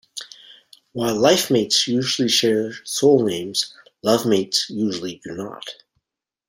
While lifemates usually share soul names, lovemates usually do not.